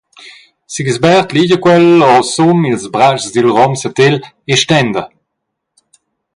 Sigisbert ligia quel orasum ils bratschs dil rom satel e stenda.